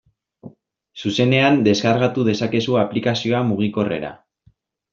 Zuzenean deskargatu dezakezu aplikazioa mugikorrera.